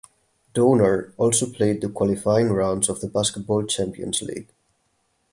Donar also played the qualifying rounds of the Basketball Champions League.